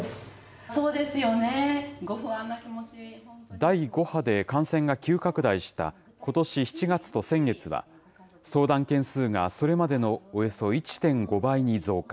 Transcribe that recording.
第５波で感染が急拡大したことし７月と先月は、相談件数がそれまでのおよそ１．５倍に増加。